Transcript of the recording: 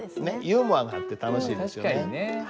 ユーモアがあって楽しいですよね。